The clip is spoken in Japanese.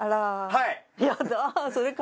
はい！